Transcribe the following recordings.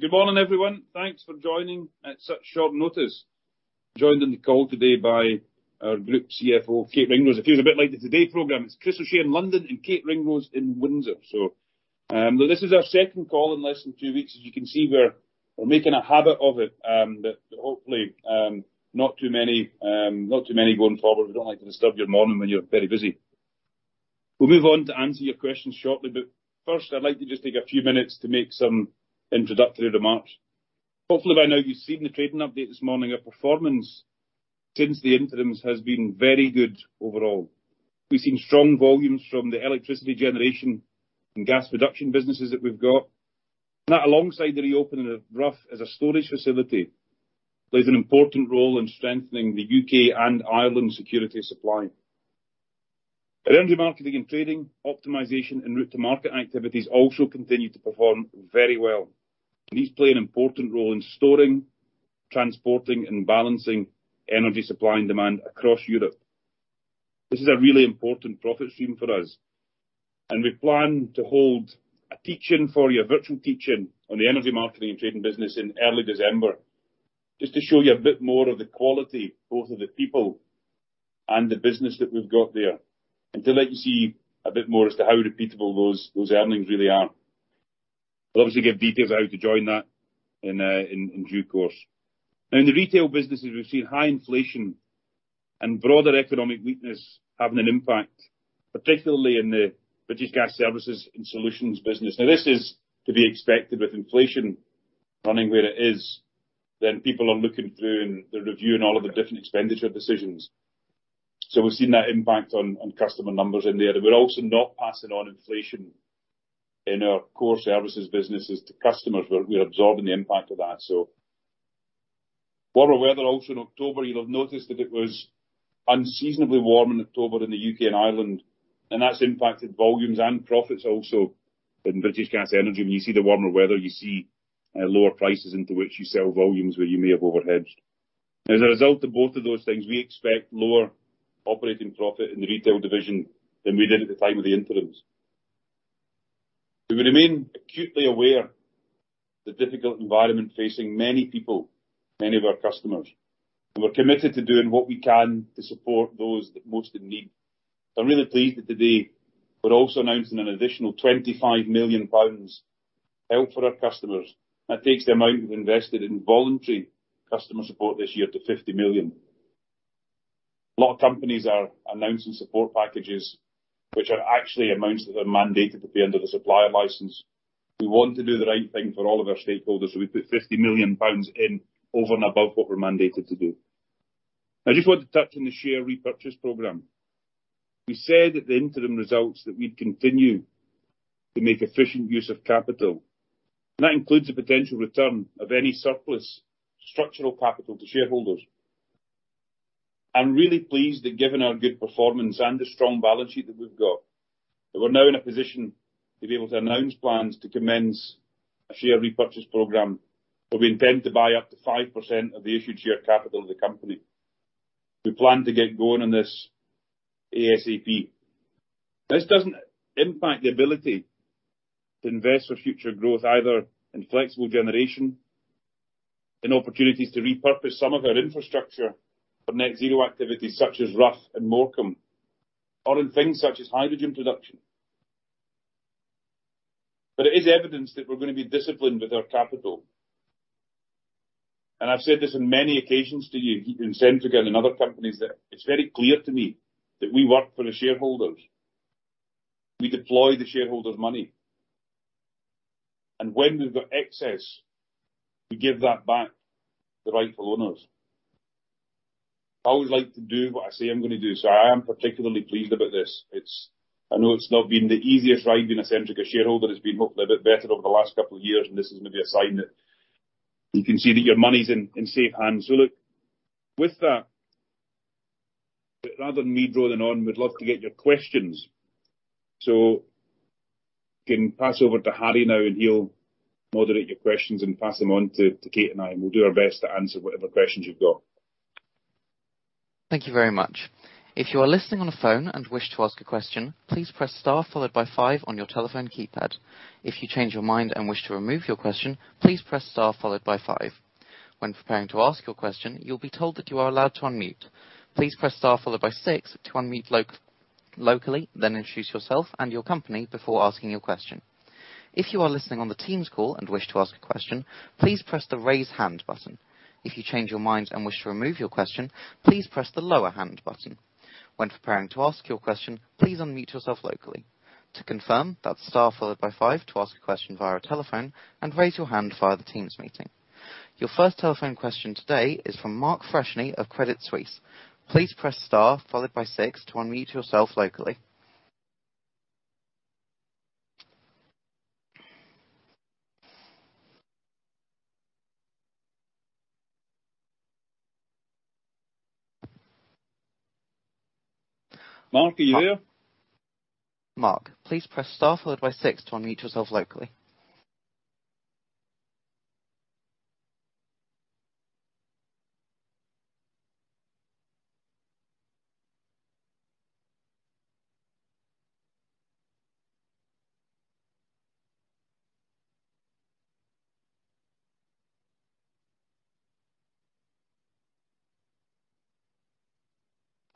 Good morning, everyone. Thanks for joining at such short notice. Joined on the call today by our Group CFO, Kate Ringrose. It feels a bit like Today programme. It's Chris O'Shea in London and Kate Ringrose in Windsor. This is our second call in less than two weeks. As you can see, we're making a habit of it. Hopefully, not too many going forward. We don't like to disturb your morning when you're very busy. We'll move on to answer your questions shortly, but first, I'd like to just take a few minutes to make some introductory remarks. Hopefully by now, you've seen the trading update this morning. Our performance since the interims has been very good overall. We've seen strong volumes from the electricity generation and gas production businesses that we've got. That alongside the reopening of Rough as a storage facility plays an important role in strengthening the U.K. and Ireland security of supply. Energy marketing and trading, optimization and route to market activities also continue to perform very well. These play an important role in storing, transporting, and balancing energy supply and demand across Europe. This is a really important profit stream for us, and we plan to hold a teach-in for you, a virtual teach-in on the energy marketing and trading business in early December, just to show you a bit more of the quality, both of the people and the business that we've got there, and to let you see a bit more as to how repeatable those earnings really are. I'll obviously give details of how to join that in due course. Now, in the retail businesses, we've seen high inflation and broader economic weakness having an impact, particularly in the British Gas Services & Solutions business. Now, this is to be expected with inflation running where it is, then people are looking through and they're reviewing all of the different expenditure decisions. We've seen that impact on customer numbers in there. We're also not passing on inflation in our core services businesses to customers. We're absorbing the impact of that. Warmer weather also in October, you'll have noticed that it was unseasonably warm in October in the U.K. and Ireland, and that's impacted volumes and profits also in British Gas Energy. When you see the warmer weather, you see lower prices into which you sell volumes where you may have overhedged. As a result of both of those things, we expect lower operating profit in the retail division than we did at the time of the interims. We remain acutely aware of the difficult environment facing many people, many of our customers, and we're committed to doing what we can to support those most in need. I'm really pleased that today, we're also announcing an additional 25 million pounds help for our customers. That takes the amount we've invested in voluntary customer support this year to 50 million. A lot of companies are announcing support packages, which are actually amounts that are mandated at the end of a supplier license. We want to do the right thing for all of our stakeholders, so we put 50 million pounds in over and above what we're mandated to do. I just want to touch on the share repurchase program. We said at the interim results that we'd continue to make efficient use of capital, and that includes the potential return of any surplus structural capital to shareholders. I'm really pleased that given our good performance and the strong balance sheet that we've got, that we're now in a position to be able to announce plans to commence a share repurchase program, where we intend to buy up to 5% of the issued share capital of the company. We plan to get going on this ASAP. This doesn't impact the ability to invest for future growth either in flexible generation, in opportunities to repurpose some of our infrastructure for net zero activities such as Rough and Morecambe, or in things such as hydrogen production. It is evidence that we're gonna be disciplined with our capital. I've said this on many occasions to you, in Centrica and other companies, that it's very clear to me that we work for the shareholders. We deploy the shareholders' money. When we've got excess, we give that back to the rightful owners. I always like to do what I say I'm gonna do, so I am particularly pleased about this. It's. I know it's not been the easiest ride being a Centrica shareholder. It's been hopefully a bit better over the last couple of years, and this is maybe a sign that you can see that your money's in safe hands. Look, with that, rather than me drawing on, we'd love to get your questions. Can pass over to Harry now, and he'll moderate your questions and pass them on to Kate and I, and we'll do our best to answer whatever questions you've got. Thank you very much. If you are listening on a phone and wish to ask a question, please press Star followed by five on your telephone keypad. If you change your mind and wish to remove your question, please press Star followed by five. When preparing to ask your question, you'll be told that you are allowed to unmute. Please press Star followed by six to unmute locally, then introduce yourself and your company before asking your question. If you are listening on the Teams call and wish to ask a question, please press the Raise Hand button. If you change your mind and wish to remove your question, please press the Lower Hand button. When preparing to ask your question, please unmute yourself locally. To confirm, that's Star followed by five to ask a question via telephone and raise your hand via the Teams meeting. Your first telephone question today is from Mark Freshney of Credit Suisse. Please press Star followed by six to unmute yourself locally. Mark, are you there? Mark, please press star followed by 6 to unmute yourself locally.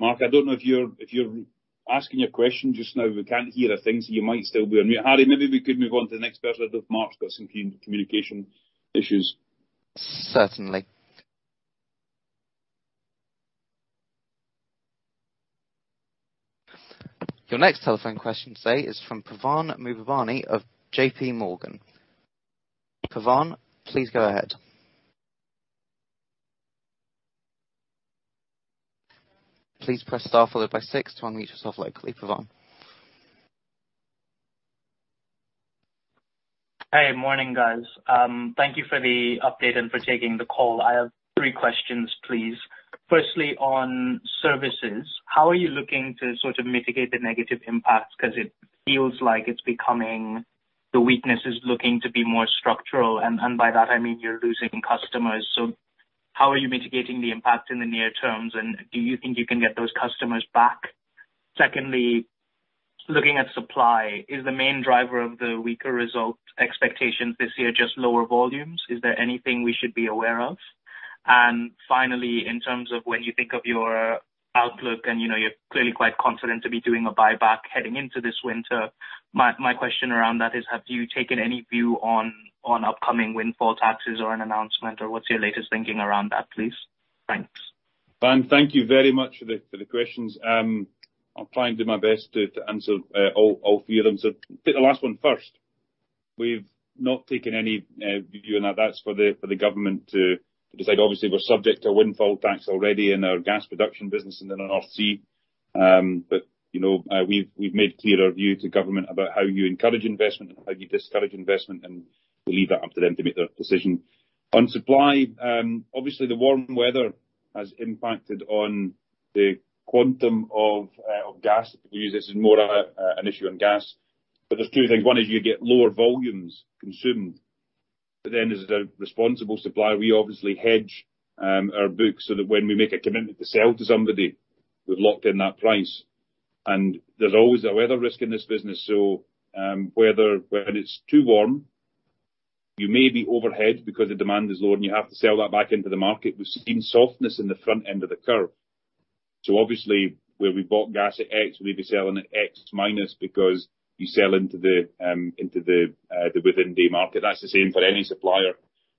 Mark, I don't know if you're asking a question just now. We can't hear a thing, so you might still be on mute. Harry, maybe we could move on to the next person if Mark's got some communication issues. Certainly. Your next telephone question today is from Pavan Mayuranathan of JPMorgan. Pavan, please go ahead. Please press star followed by six to unmute yourself locally, Pavan. Hey. Morning, guys. Thank you for the update and for taking the call. I have three questions, please. Firstly, on services, how are you looking to sort of mitigate the negative impacts? 'Cause it feels like it's becoming, the weakness is looking to be more structural and by that, I mean, you're losing customers. So how are you mitigating the impact in the near terms, and do you think you can get those customers back? Secondly, looking at supply, is the main driver of the weaker result expectations this year just lower volumes? Is there anything we should be aware of? Finally, in terms of when you think of your outlook, and, you know, you're clearly quite confident to be doing a buyback heading into this winter, my question around that is, have you taken any view on upcoming windfall taxes or an announcement or what's your latest thinking around that, please? Thanks. Pavan, thank you very much for the questions. I'll try and do my best to answer all three of them. Take the last one first. We've not taken any view on that. That's for the government to decide. Obviously, we're subject to a windfall tax already in our gas production business in the North Sea. you know, we've made clear our view to government about how you encourage investment and how you discourage investment, and we leave that up to them to make their decision. On supply, obviously, the warm weather has impacted on the quantum of gas. This is more an issue on gas. There's two things. One is you get lower volumes consumed. As a responsible supplier, we obviously hedge our books so that when we make a commitment to sell to somebody, we've locked in that price. There's always a weather risk in this business, so weather when it's too warm, you may be overhedged because the demand is low, and you have to sell that back into the market. We've seen softness in the front end of the curve. Obviously, where we bought gas at X, we'd be selling at X minus because you sell into the within-day market. That's the same for any supplier.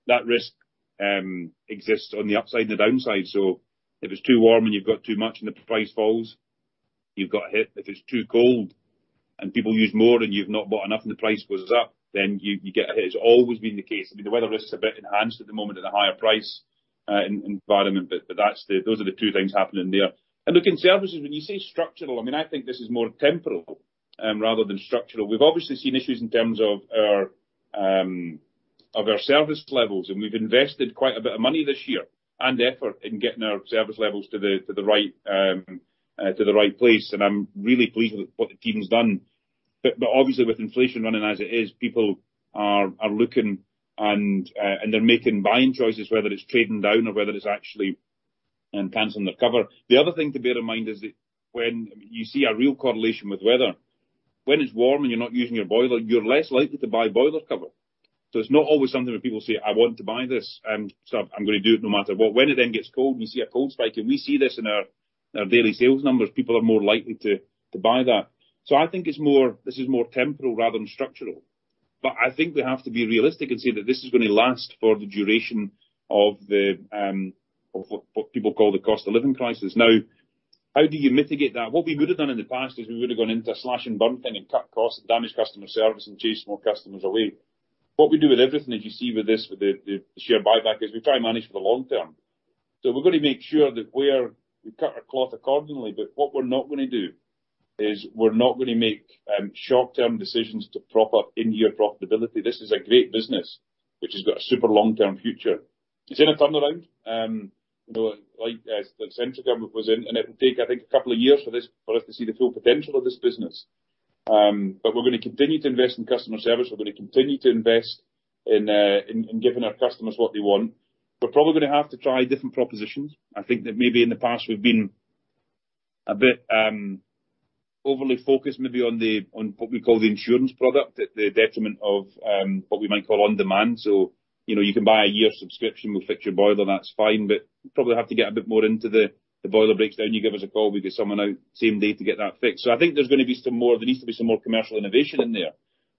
That risk exists on the upside and the downside. If it's too warm, and you've got too much and the price falls, you get hit. If it's too cold and people use more and you've not bought enough and the price goes up, then you get hit. It's always been the case. I mean, the weather risk's a bit enhanced at the moment in the higher price environment, but that's, those are the two things happening there. Look, in services, when you say structural, I mean, I think this is more temporal rather than structural. We've obviously seen issues in terms of our service levels, and we've invested quite a bit of money this year and effort in getting our service levels to the right place. I'm really pleased with what the team's done. Obviously, with inflation running as it is, people are looking and they're making buying choices, whether it's trading down or whether it's actually canceling their cover. The other thing to bear in mind is that when you see a real correlation with weather, when it's warm and you're not using your boiler, you're less likely to buy boiler cover. It's not always something that people say, "I want to buy this, and so I'm gonna do it no matter what." When it then gets cold and we see a cold spike, and we see this in our daily sales numbers, people are more likely to buy that. I think this is more temporal rather than structural. I think we have to be realistic and say that this is gonna last for the duration of what people call the cost of living crisis. Now, how do you mitigate that? What we would've done in the past is we would've gone into slash and burn thing and cut costs and damaged customer service and chased more customers away. What we do with everything, as you see with the share buyback, is we try and manage for the long term. We're gonna make sure that we cut our cloth accordingly, but what we're not gonna do is we're not gonna make short-term decisions to prop up in-year profitability. This is a great business which has got a super long-term future. It's in a turnaround, you know, like as Centrica was in, and it will take, I think, a couple of years for us to see the full potential of this business. We're gonna continue to invest in customer service. We're gonna continue to invest in giving our customers what they want. We're probably gonna have to try different propositions. I think that maybe in the past we've been a bit overly focused maybe on what we call the insurance product at the detriment of what we might call on-demand. You know, you can buy a year subscription, we'll fix your boiler, and that's fine. We probably have to get a bit more into the boiler breaks down, you give us a call, we get someone out same day to get that fixed. I think there's gonna be some more, there needs to be some more commercial innovation in there.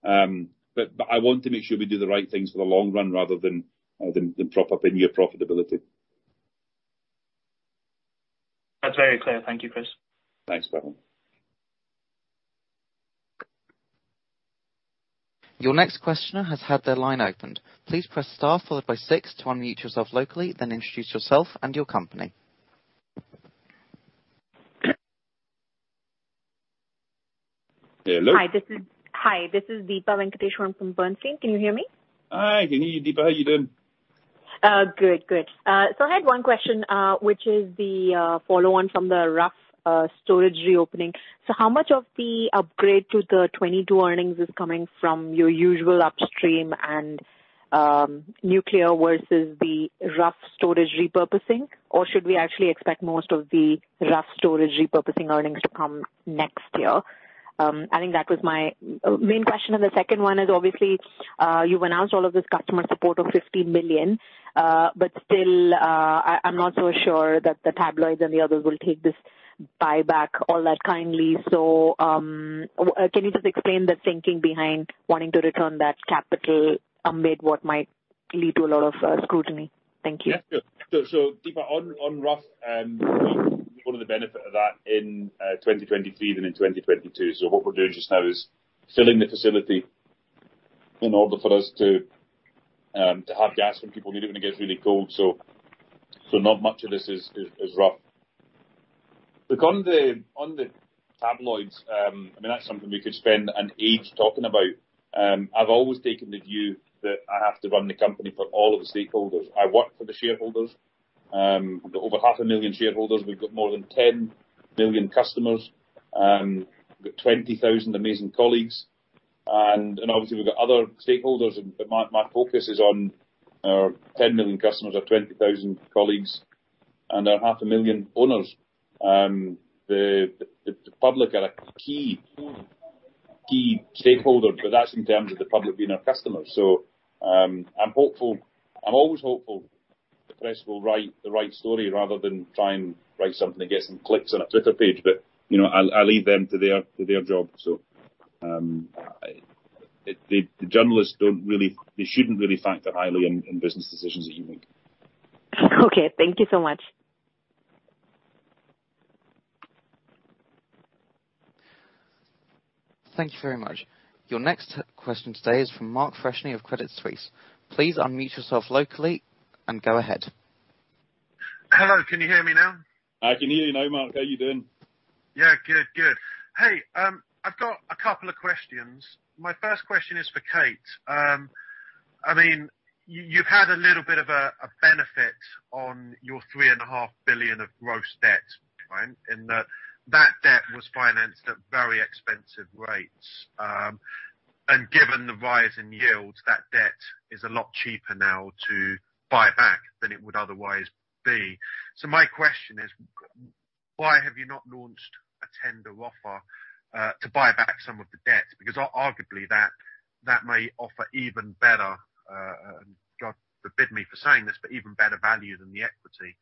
I want to make sure we do the right things for the long run rather than prop up in-year profitability. That's very clear. Thank you, Chris. Thanks, Pavan. Your next questioner has had their line opened. Please press star followed by six to unmute yourself locally, then introduce yourself and your company. Hello? Hi, this is Deepa Venkateswaran from Bernstein. Can you hear me? Hi. Can hear you, Deepa. How you doing? Good. I had one question, which is the follow-on from the Rough storage reopening. How much of the upgrade to the 2022 earnings is coming from your usual upstream and nuclear versus the Rough storage repurposing? Or should we actually expect most of the Rough storage repurposing earnings to come next year? I think that was my main question. The second one is obviously, you've announced all of this customer support of 50 million, but still, I'm not so sure that the tabloids and the others will take this buyback all that kindly. Can you just explain the thinking behind wanting to return that capital amid what might lead to a lot of scrutiny? Thank you. Yes, sure. Deepa on Rough, all of the benefit of that in 2023 than in 2022. What we're doing just now is filling the facility in order for us to have gas when people need it, when it gets really cold, not much of this is Rough. Look, on the tabloids, I mean, that's something we could spend an age talking about. I've always taken the view that I have to run the company for all of the stakeholders. I work for the shareholders. We've got over 500,000 shareholders. We've got more than 10 million customers. We've got 20,000 amazing colleagues and obviously we've got other stakeholders. My focus is on our 10 million customers, our 20,000 colleagues and our 500,000 owners. The public are a key stakeholder, but that's in terms of the public being our customers. I'm hopeful. I'm always hopeful the press will write the right story rather than try and write something to get some clicks on a Twitter page. You know, I'll leave them to their job. The journalists don't really. They shouldn't really factor highly in business decisions, if you think. Okay. Thank you so much. Thank you very much. Your next question today is from Mark Freshney of Credit Suisse. Please unmute yourself locally and go ahead. Hello, can you hear me now? I can hear you now, Mark. How are you doing? Yeah, good. Hey, I've got a couple of questions. My first question is for Kate. I mean, you've had a little bit of a benefit on your 3.5 billion of gross debt, right? In that debt was financed at very expensive rates, and given the rise in yields, that debt is a lot cheaper now to buy back than it would otherwise be. My question is, why have you not launched a tender offer to buy back some of the debt? Because arguably, that may offer even better, God forbid me for saying this, but even better value than the equity.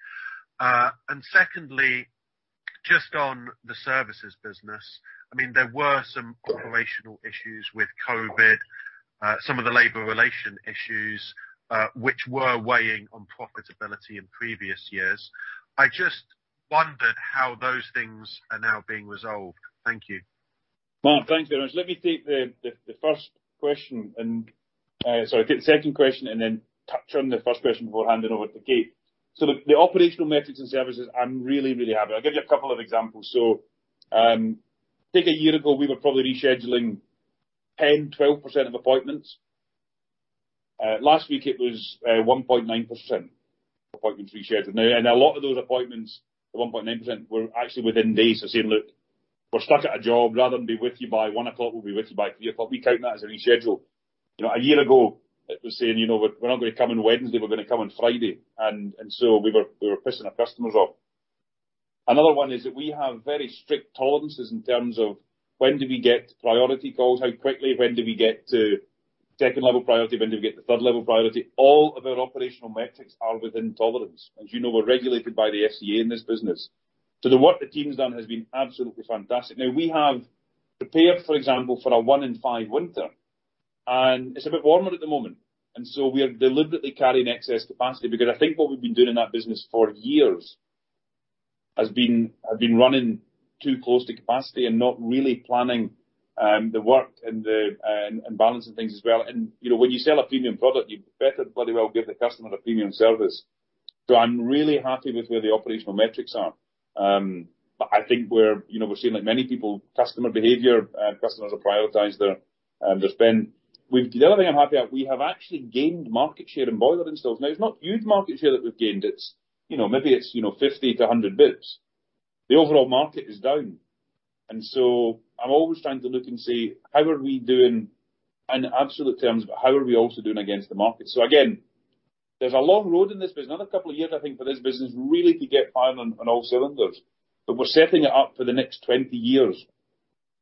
And secondly, just on the services business, I mean, there were some operational issues with COVID, some of the labor relations issues, which were weighing on profitability in previous years. I just wondered how those things are now being resolved. Thank you. Mark, thanks very much. Let me take the second question and then touch on the first question before handing over to Kate. The operational metrics and services, I'm really happy. I'll give you a couple of examples. I think a year ago we were probably rescheduling 10, 12% of appointments. Last week it was 1.9% appointments rescheduled. Now, a lot of those appointments, the 1.9%, were actually within days. They're saying, "Look, we're stuck at a job. Rather than be with you by one o'clock, we'll be with you by three o'clock." We count that as a reschedule. You know, a year ago it was saying, "You know, we're not gonna come on Wednesday, we're gonna come on Friday." We were pissing our customers off. Another one is that we have very strict tolerances in terms of when do we get priority calls, how quickly, when do we get to second level priority, when do we get to third level priority. All of our operational metrics are within tolerance. As you know, we're regulated by the FCA in this business. The work the team's done has been absolutely fantastic. Now, we have prepared, for example, for a one in five winter, and it's a bit warmer at the moment, and so we are deliberately carrying excess capacity because I think what we've been doing in that business for years has been running too close to capacity and not really planning the work and balancing things as well. You know, when you sell a premium product, you better bloody well give the customer the premium service. So I'm really happy with where the operational metrics are. But I think we're, you know, we're seeing like many people, customer behavior, customers have prioritized their spend. The other thing I'm happy at, we have actually gained market share in boiler installs. Now, it's not huge market share that we've gained. It's, you know, maybe it's, you know, 50-100 basis points. The overall market is down. I'm always trying to look and see how are we doing in absolute terms, but how are we also doing against the market? Again, there's a long road in this business. Another couple of years, I think, for this business really to get firing on all cylinders. We're setting it up for the next 20 years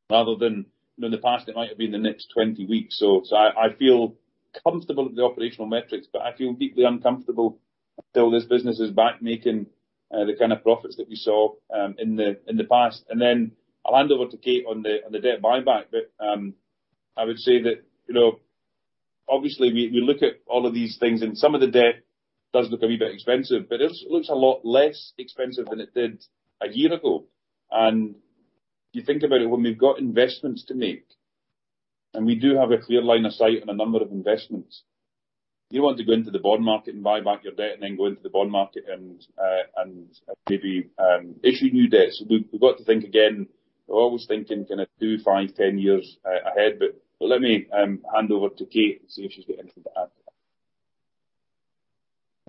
rather than, you know, in the past it might have been the next 20 weeks. I feel comfortable with the operational metrics, but I feel deeply uncomfortable until this business is back making the kind of profits that we saw in the past. Then I'll hand over to Kate on the debt buyback. I would say that, you know, obviously we look at all of these things and some of the debt does look a wee bit expensive, but it looks a lot less expensive than it did a year ago. You think about it, when we've got investments to make, and we do have a clear line of sight on a number of investments, do you want to go into the bond market and buy back your debt and then go into the bond market and maybe issue new debt? We've got to think again. We're always thinking kind of 2, 5, 10 years ahead. Let me hand over to Kate and see if she's got anything to add to that.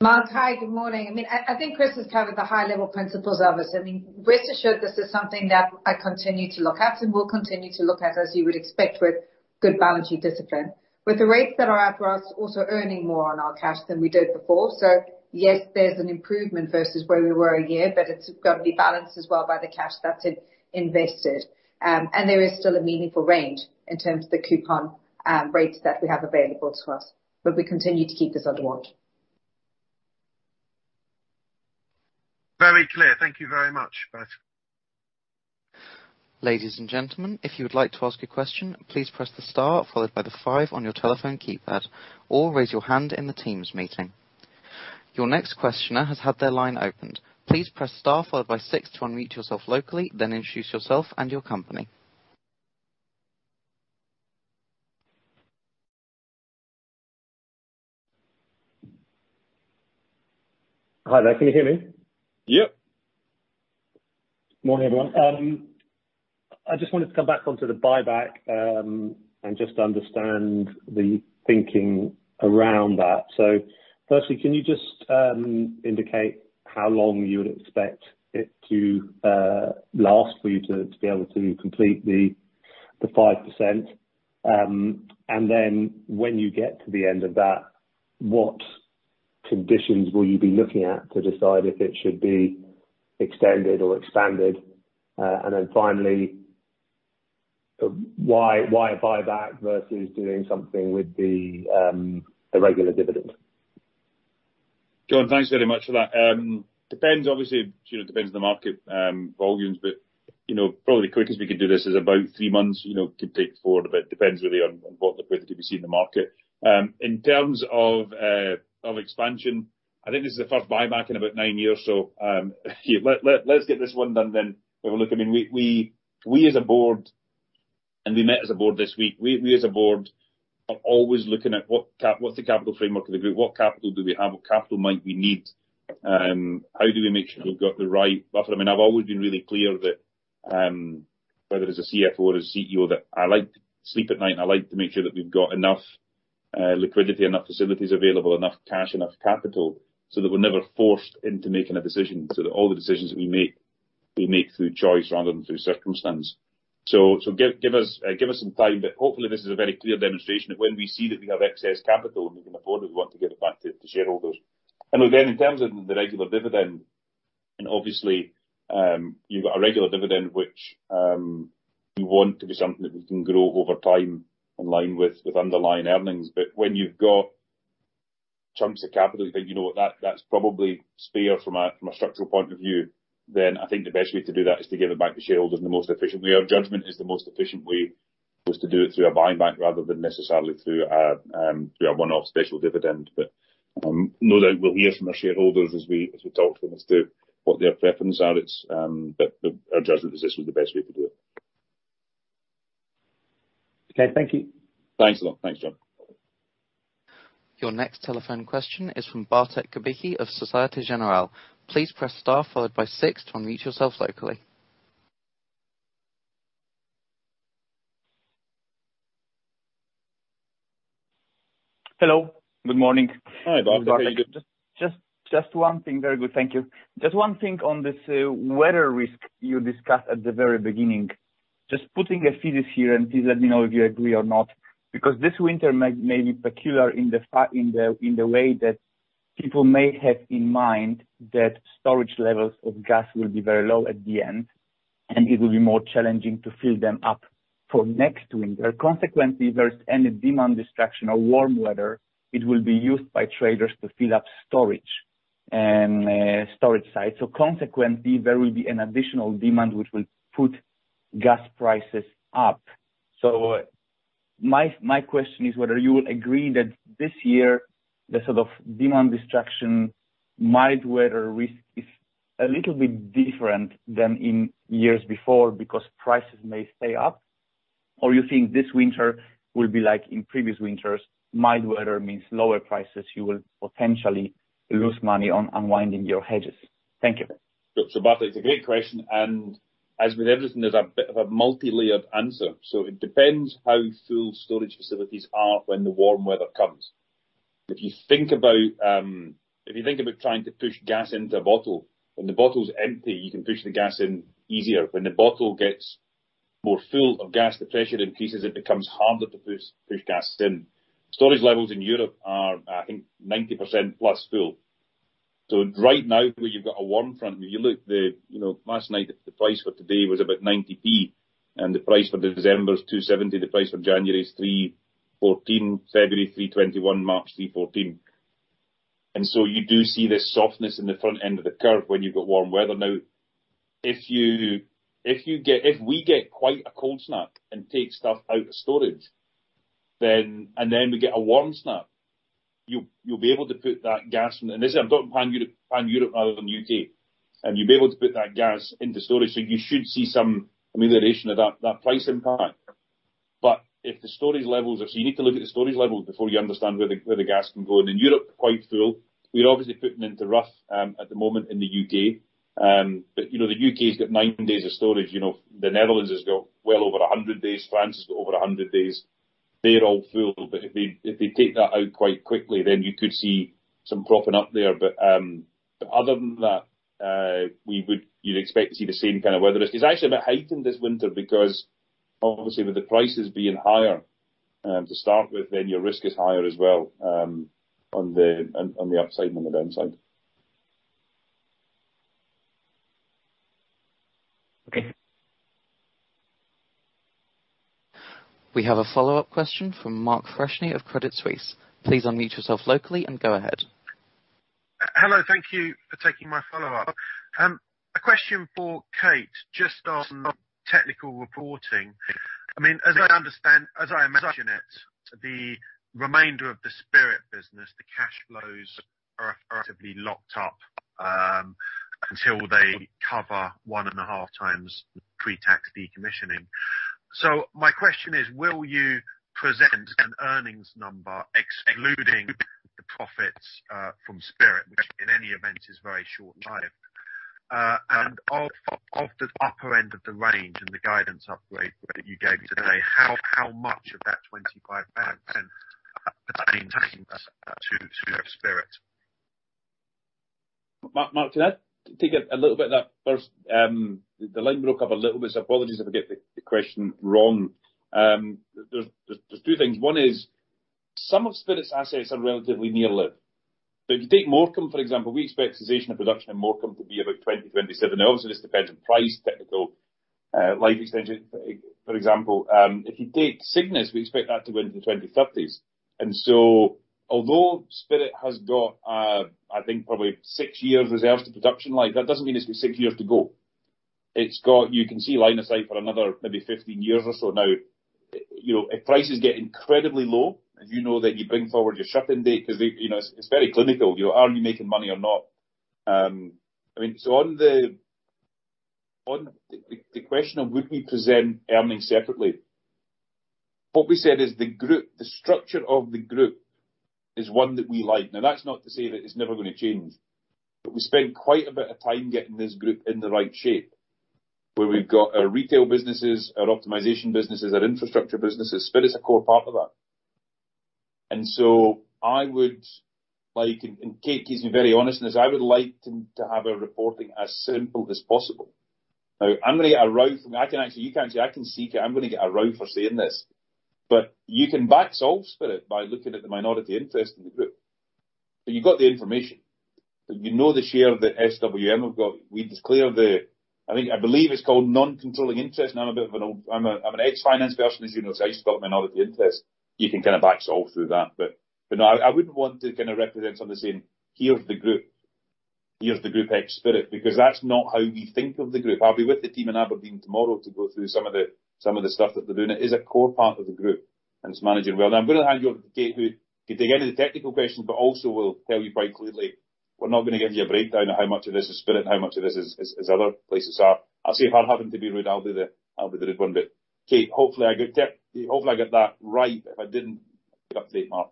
Mark, hi, good morning. I think Chris has covered the high level principles of this. I mean, rest assured this is something that I continue to look at and will continue to look at, as you would expect with good balancing discipline. With the rates that are out for us, also earning more on our cash than we did before. Yes, there's an improvement versus where we were a year, but it's got to be balanced as well by the cash that's invested. There is still a meaningful range in terms of the coupon rates that we have available to us, but we continue to keep this under watch. Very clear. Thank you very much, both. Ladies and gentlemen, if you would like to ask a question, please press the star followed by the five on your telephone keypad, or raise your hand in the Teams meeting. Your next questioner has had their line opened. Please press star followed by six to unmute yourself locally, then introduce yourself and your company. Hi there. Can you hear me? Yep. Morning, everyone. I just wanted to come back onto the buyback and just understand the thinking around that. Firstly, can you just indicate how long you would expect it to last for you to be able to complete the 5%? Then when you get to the end of that, what conditions will you be looking at to decide if it should be extended or expanded? Then finally, why a buyback versus doing something with the regular dividend? John, thanks very much for that. Depends. Obviously, you know, depends on the market, volumes, but, you know, probably the quickest we could do this is about 3 months. You know, it could take 4, but it depends really on volatility that we see in the market. In terms of expansion, I think this is the first buyback in about 9 years. Let's get this one done then we'll look. I mean, we as a board, and we met as a board this week, we as a board are always looking at what's the capital framework of the group? What capital do we have? What capital might we need? How do we make sure we've got the right buffer? I mean, I've always been really clear that whether as a CFO or as CEO, that I like to sleep at night, and I like to make sure that we've got enough liquidity, enough facilities available, enough cash, enough capital, so that we're never forced into making a decision. That all the decisions we make, we make through choice rather than through circumstance. Give us some time, but hopefully this is a very clear demonstration of when we see that we have excess capital, and we can afford it, we want to give it back to shareholders. Look, then in terms of the regular dividend, and obviously, you've got a regular dividend, which we want to be something that we can grow over time in line with underlying earnings. When you've got chunks of capital, you think, "You know what? That, that's probably spare from a structural point of view," then I think the best way to do that is to give it back to shareholders. The most efficient way or judgment is the most efficient way was to do it through a buyback rather than necessarily through a one-off special dividend. No doubt we'll hear from our shareholders as we talk to them as to what their preference are. It's our judgment is this was the best way to do it. Okay. Thank you. Thanks a lot. Thanks, John. Your next telephone question is from Bartek Kubicki of Société Générale. Please press star followed by six to unmute yourself locally. Hello. Good morning. Hi, Bartek. Just one thing. Very good. Thank you. Just one thing on this weather risk you discussed at the very beginning. Just putting a thesis here, and please let me know if you agree or not, because this winter may be peculiar in the way that people may have in mind that storage levels of gas will be very low at the end, and it will be more challenging to fill them up for next winter. Consequently, if there's any demand destruction or warm weather, it will be used by traders to fill up storage sites. Consequently, there will be an additional demand which will put gas prices up. My question is whether you will agree that this year, the sort of demand destruction, mild weather risk is a little bit different than in years before because prices may stay up? Or you think this winter will be like in previous winters, mild weather means lower prices, you will potentially lose money on unwinding your hedges? Thank you. Bartek, it's a great question. As with everything, there's a bit of a multilayer of answer. It depends how full storage facilities are when the warm weather comes. If you think about trying to push gas into a bottle, when the bottle's empty, you can push the gas in easier. When the bottle gets more full of gas, the pressure increases, it becomes harder to push gas in. Storage levels in Europe are, I think, 90% plus full. Right now, where you've got a warm front, if you look the, you know, last night the price for today was about 0.90, and the price for December is 2.70. The price for January is 3.14, February 3.21, March 3.14. You do see this softness in the front end of the curve when you've got warm weather. Now, if we get quite a cold snap and take stuff out of storage, then we get a warm snap, you'll be able to put that gas in. As I'm talking pan-Europe rather than UK, you'll be able to put that gas into storage, so you should see some amelioration of that price impact. If the storage levels are so you need to look at the storage levels before you understand where the gas can go. In Europe, quite full. We're obviously putting into Rough at the moment in the UK. But you know, the UK's got 90 days of storage. You know, the Netherlands has got well over 100 days. France has got over 100 days. They're all full, but if they take that out quite quickly, then you could see some propping up there. Other than that, you'd expect to see the same kind of weather risk. It's actually a bit heightened this winter because obviously with the prices being higher, to start with, then your risk is higher as well, on the upside than the downside. Okay. We have a follow-up question from Mark Freshney of Credit Suisse. Please unmute yourself locally and go ahead. Hello. Thank you for taking my follow-up. A question for Kate, just on technical reporting. I mean, as I understand, as I imagine it, the remainder of the Spirit business, the cash flows are effectively locked up until they cover one and a half times pre-tax decommissioning. My question is, will you present an earnings number excluding the profits from Spirit, which in any event is very short-lived? Of the upper end of the range in the guidance upgrade that you gave today, how much of that 25 pounds maintains to Spirit? Mark, can I take a little bit of that first? The line broke up a little bit, so apologies if I get the question wrong. There's two things. One is some of Spirit Energy's assets are relatively near life. If you take Morecambe, for example, we expect cessation of production in Morecambe to be about 2027. Obviously, this depends on price, technical life extension. For example, if you take Cygnus, we expect that to go into the 2030s. Although Spirit Energy has got, I think probably six years reserves to production life, that doesn't mean it's got six years to go. It's got. You can see line of sight for another maybe 15 years or so now. You know, if prices get incredibly low, as you know, then you bring forward your shutdown date 'cause, you know, it's very clinical. You know, are you making money or not? I mean, so on the question of would we present earnings separately, what we said is the group, the structure of the group is one that we like. Now, that's not to say that it's never gonna change, but we spent quite a bit of time getting this group in the right shape, where we've got our retail businesses, our optimization businesses, our infrastructure businesses. Spirit is a core part of that. I would like, and Kate keeps me very honest in this, I would like to have our reporting as simple as possible. Now, I'm gonna get a row from. I can actually, you can't see, I can see Kate. I'm gonna get a row for saying this, but you can back solve Spirit by looking at the minority interest in the group. You've got the information. You know the share that SWM have got. I think, I believe it's called non-controlling interest. Now I'm an ex-finance person, as you know, so I used to call it minority interest. You can kinda back solve through that. No, I wouldn't want to kinda represent something saying, "Here's the group. Here's the group ex Spirit." Because that's not how we think of the group. I'll be with the team in Aberdeen tomorrow to go through some of the stuff that they're doing. It is a core part of the group, and it's managing well. Now I'm gonna hand you over to Kate who can take any of the technical questions, but also will tell you quite clearly, we're not gonna give you a breakdown of how much of this is Spirit and how much of this is other places are. I'll save her having to be rude. I'll do the rude one. Kate, hopefully I got that right. If I didn't, get up to date, Mark.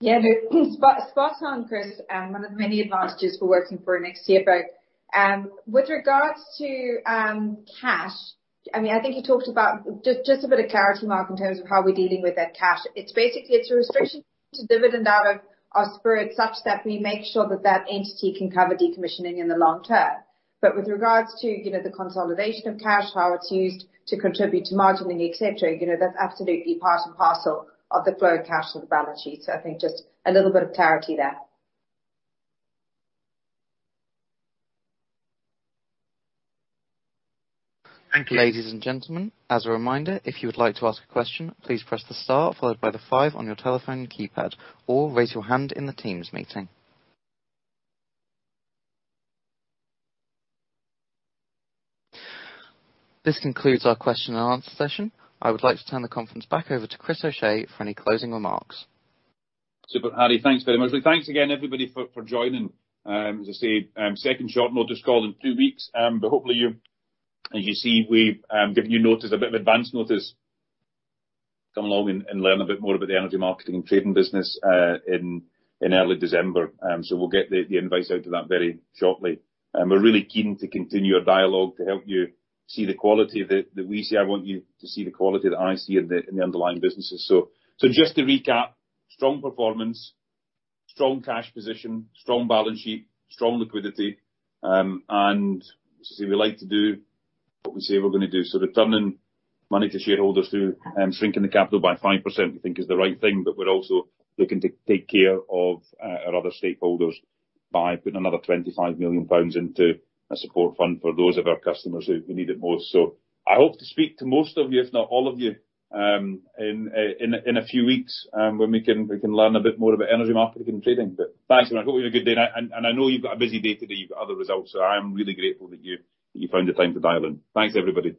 Yeah, no, spot on, Chris, one of the many advantages for working for an ex-CFO. With regards to cash, I mean, I think you talked about just a bit of clarity, Mark, in terms of how we're dealing with that cash. It's basically a restriction to dividend out of our Spirit such that we make sure that that entity can cover decommissioning in the long term. With regards to, you know, the consolidation of cash, how it's used to contribute to margining, et cetera, you know, that's absolutely part and parcel of the flow of cash on the balance sheet. I think just a little bit of clarity there. Thank you. Ladies and gentlemen, as a reminder, if you would like to ask a question, please press the star followed by the five on your telephone keypad, or raise your hand in the Teams meeting. This concludes our question and answer session. I would like to turn the conference back over to Chris O'Shea for any closing remarks. Super. Harry, thanks very much. Thanks again, everybody, for joining. As I say, second short notice call in two weeks. Hopefully you, as you see, we're giving you notice, a bit of advanced notice, come along and learn a bit more about the energy marketing and trading business, in early December. We'll get the invite out to that very shortly. We're really keen to continue a dialogue to help you see the quality that we see. I want you to see the quality that I see in the underlying businesses. Just to recap, strong performance, strong cash position, strong balance sheet, strong liquidity. As I say, we like to do what we say we're gonna do. Returning money to shareholders through shrinking the capital by 5%, we think is the right thing, but we're also looking to take care of our other stakeholders by putting another 25 million pounds into a support fund for those of our customers who need it most. I hope to speak to most of you, if not all of you, in a few weeks when we can learn a bit more about energy marketing and trading. Thanks everyone. Hope you have a good day. I know you've got a busy day today. You've got other results. I am really grateful that you found the time to dial in. Thanks, everybody.